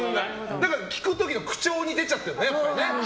だから聞く時の口調に出ちゃってるんだよね